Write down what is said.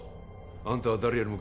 あんたは誰よりも